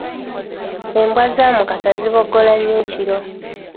Embwa za Mukasa ziboggola nnyo ekiro.